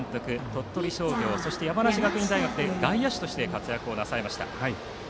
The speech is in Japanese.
鳥取商業、そして山梨学院大学で外野手として活躍をなさいました。